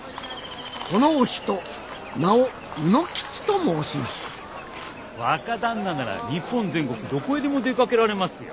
このお人名を卯之吉と申します若旦那なら日本全国どこへでも出かけられますよ。